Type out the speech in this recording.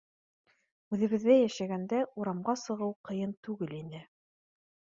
Үҙебеҙҙә йәшәгәндә урамға сығыу ҡыйын түгел ине.